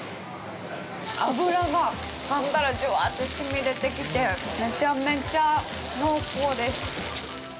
脂が、かんだらジュワッてしみ出てきて、めちゃめちゃ濃厚です。